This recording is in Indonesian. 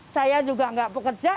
saya juga tidak bekerja